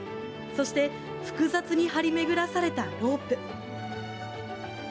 そして複雑に張り巡らされたロープ。